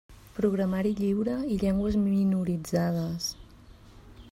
Programari lliure i llengües minoritzades.